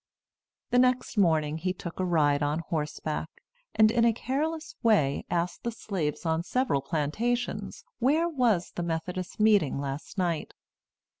The next morning, he took a ride on horseback, and in a careless way asked the slaves on several plantations where was the Methodist meeting last night.